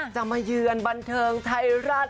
มาเยือนบันเทิงไทยรัฐ